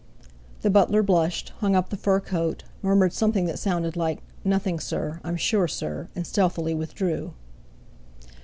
The butler blushed, hung up the fur coat, murmured something that sounded like: "Nothing, sir, I'm sure, sir," and stealthily withdrew.